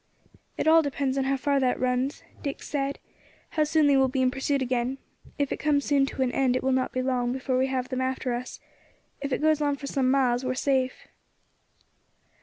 "It all depends how far that runs," Dick said, "how soon they will be in pursuit again. If it comes soon to an end it will not be long before we have them after us; if it goes on for some miles we are safe."